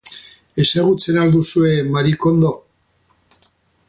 Ezagutzen al duzue Marie Kondo?